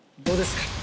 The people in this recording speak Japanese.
どうですか？